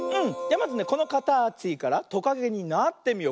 まずこのかたちからトカゲになってみよう。